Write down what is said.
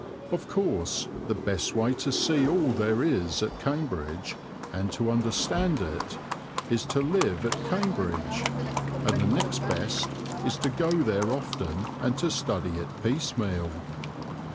Of course, the best way to see all there is at Cambridge, and to understand it, is to live at Cambridge; and the next best is to go there often and to study it piecemeal.